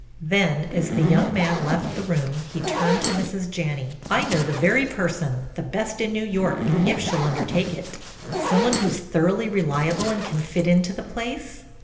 Then as the young man left the room he turned to Mrs. Janney. "I know the very person, the best in New York, if she'll undertake it." "Some one who's thoroughly reliable and can fit into the place?"